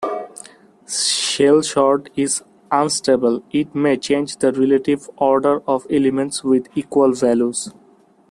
Shellsort is unstable: it may change the relative order of elements with equal values.